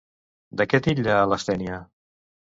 De què titlla a Lastènia?